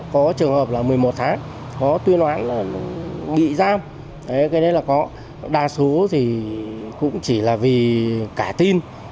có trường hợp là một mươi một tháng có tuyên án là bị giam cái đấy là có đa số thì cũng chỉ là vì cả tin